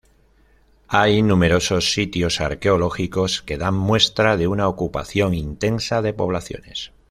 Hay numerosos sitios arqueológicos que dan muestra de una ocupación intensa de poblaciones.